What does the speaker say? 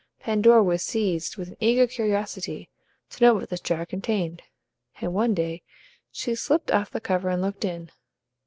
Pandora was seized with an eager curiosity to know what this jar contained; and one day she slipped off the cover and looked in.